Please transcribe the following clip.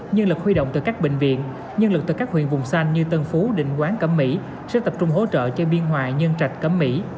nhân lực huy động từ các bệnh viện nhân lực từ các huyện vùng xanh như tân phú định quán cẩm mỹ sẽ tập trung hỗ trợ cho biên hòa nhân trạch cẩm mỹ